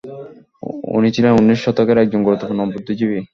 উনি ছিলেন উনিশ শতকের একজন গুরুত্বপূর্ন বুদ্ধিজীবি!